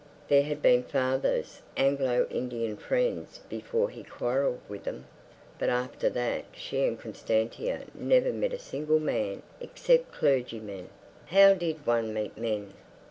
There had been father's Anglo Indian friends before he quarrelled with them. But after that she and Constantia never met a single man except clergymen. How did one meet men?